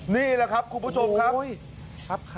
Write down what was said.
นี่แหละครับคุณผู้ชมครับ